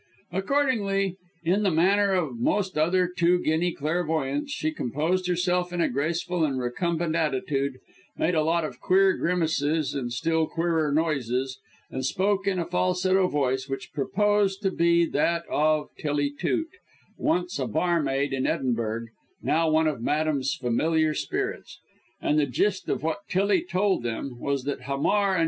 Accordingly, in the manner of most other two guinea clairvoyants, she composed herself in a graceful and recumbent attitude, made a lot of queer grimaces and still queerer noises, and spoke in a falsetto voice, which purposed to be that of Tillie Toot, once a barmaid in Edinburgh, now one of Madame's familiar spirits. And the gist of what "Tillie" told them was that Hamar & Co.